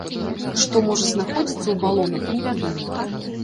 Што можа знаходзіцца ў балонах, невядома.